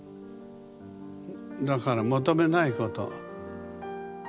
だから求めないこと。